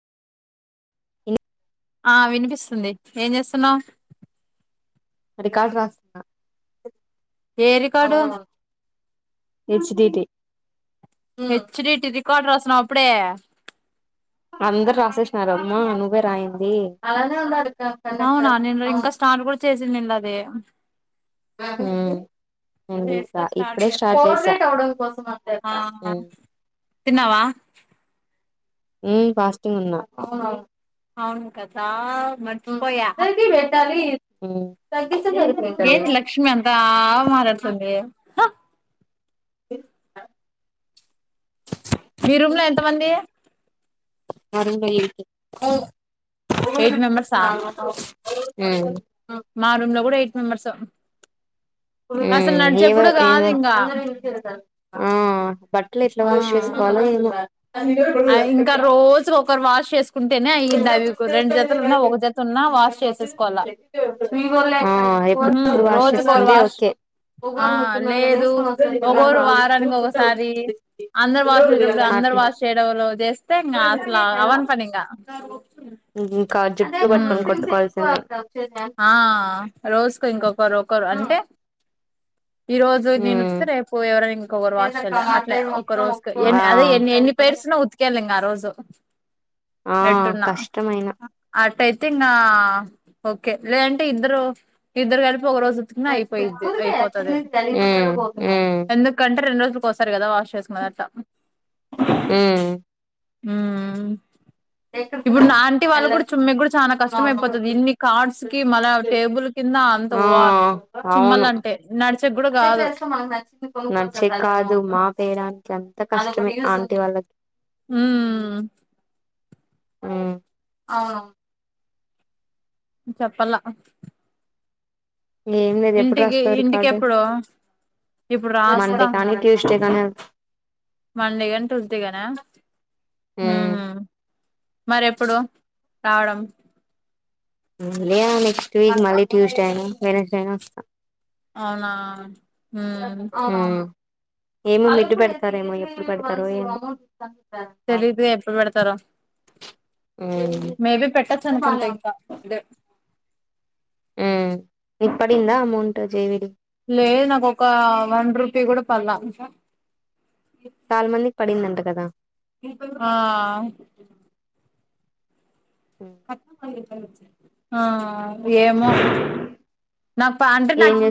in ఆ వినిపిస్తుంది ఏం చేస్తున్నావు రికార్డు రాస్తున్నా ఏ record H D T H D T record రాసినవా అప్పుడే అందరు రాసేసినారు అమ్మా నువ్వే రాయంది అవునా నేను ఇంకా స్టార్ట్ కూడా చేసన్ నిన్న అదే ఉ ఏం దీపిక చేస్తా ఇప్పుడే స్టార్ట్ చేస్తాను ఆ చేసా తిన్నావా ఉ ఫాస్టింగ్ ఉన్న అవును కదా మర్చిపోయా ఉ తాయ్ ఏంది లక్ష్మి అంతా ఆ మాట్లాడుతుంది హ, ఇర్ అ మీ రూమ్ లో ఎంత మంది ఆ రూమ్ లో ఎయిట్ ఉ ఎయిట్ మెంబర్సా మా రూమ్ లో కూడా ఎయిట్ మెంబర్స్ ఓ ఉ ఏవ కాదు ఏమా ఇంకా బట్టలు ఎట్లా వాష్ చేసుకోవాలో ఏమో ఆ ఇంకా రోజు ఒకరు వాష్ చేసుకుంటేనే అయ్యింది డవికు రెండు జతలు ఉన్నా ఒక జత ఉన్నా వాష్ చేసేసుకోవాల ఉ ఉహు ఇప్పుడు వాష్ రోజుకోరు చేసుకుంటే వాష్ ఓకే ఆ ఉగాల నువ్ తిన్నాకానే లేదు ఒకోరు వారానికి ఒకసారి అందరు వాష్ చేసేటప్పుడు [unintelligible] అందరు వాష్ చేయడం లో చేస్తే ఇంకా అసలు అవ్వన్ పని ఇంకా కాదు జుట్టు వట్టుకొని ఇస్తారు ఆ రోజుకో ఇంకొకరు ఒకరు అంటే ఈ రోజు నేను ఉమ్ ఉతుకుతే రేపు ఎవరైనా ఇంకొకరు వాష్ చేయాలె అట్లా ఒక రోజుకి ఎన్ని ఆ అదే ఎన్ని ఎన్ని పే పేరుసిన ఉతికేయాలి లింగా ఆ రోజు ఆ ఎట్టున్న కష్టమైన అట్టై తిన్న ఓకే లేదంటే ఇద్దరు ఇద్దరు కలిపి ఒక రోజు ఉతికిన నచ్చింది అయిపోయిది ఊరికే ఎక్కడి అయిపోతది నుంచి తెలియకుండా పోతున్నాం ఎందుకంటే రెండు రోజులు కోసారు కదా వాష్ చేసుకున్నది అట్ట ఉ ఎక్కడికి ఇప్పుడు నా ఆంటీ వాళ్ళ కూడా వెళ్ళచ్చు చుమ్మ కూడా చాలా కష్టం అయిపోతది ఇన్ని ఆర్ట్స్ కి మళ టేబుల్ కింద అంత ఆ ఓ చుమ్మల అంటే నడిచెకి కూడా కాదు నడిచేకి కాదు మా పేరానికి అంత కష్టం ఆంటీ వాళ్ళకి హ్మ్ అవును చెప్పలా ఏం లేదు ఎప్పుడు రాస్తావు రికార్డు ఇంటికెప్పుడు ఇప్పుడు రాస్తా మండే కానీ ట్యూస్డే కానీ ఎల్ మండే గాని ట్యూస్డేగనా హ్మ్ మరి ఎప్పుడు రావడం హ్మ్ లేదా నెక్స్ట్ వీక్ మళ్ళీ ట్యూస్డే అయినా వెనస్డే అయినా వస్తా అవునా హ్మ్ ఏమో మిడ్ పెడతారేమో ఎప్పుడు పెడతారో ఏమో తెలిదు ఎప్పుడు పెడతారో ఇస్తా మేబి పెట్టచ్చు బానే అనుకుంటే ఉ ఇంకా దే హ్మ్ నీకు పడిందా అమౌంట్ జేవిడి లేదు నాక ఒక వన్ రూపీ కూడా పలా తాలా మందికి పడిందంట కదా ఆ ఆ ఏమో నా ప్యాంట్ ఏం నక్ చేస్